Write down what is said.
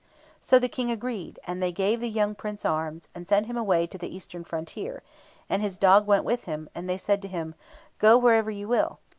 So the King agreed, and they gave the young Prince arms, and sent him away to the eastern frontier, and his dog went with him, and they said to him, "Go wherever you will."